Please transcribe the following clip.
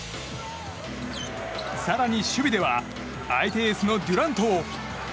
更に、守備では相手エースのデュラントを。